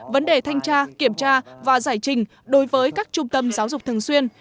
vấn đề thanh tra kiểm tra và giải trình đối với các trung tâm giáo dục thường xuyên